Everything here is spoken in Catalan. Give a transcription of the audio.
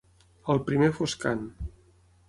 Al primer foscant.